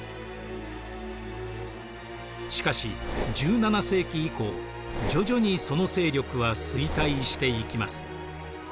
しかし１７世紀以降徐々にその勢力は衰退していきます。